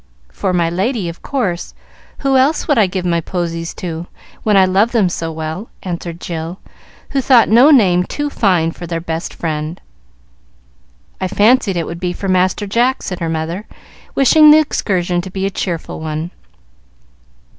"For My Lady, of course. Who else would I give my posies to, when I love them so well?" answered Jill, who thought no name too fine for their best friend. "I fancied it would be for Master Jack," said her mother, wishing the excursion to be a cheerful one.